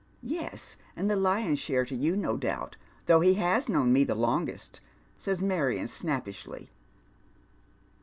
" Yes, and the lion's Bhare to you, no doubt, though he i?* } cnown me longest," says Marion, snappishly.